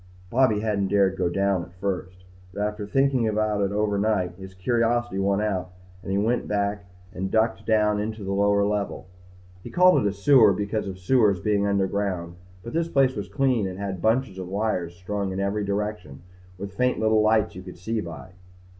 Bobby hadn't dared go down at first. But, after thinking about it overnight, his curiosity won out and he went back and ducked down into the lower level. He called it a sewer because of sewers being underground, but this place was clean and had bunches of wires strung in every direction and faint little lights you could see by.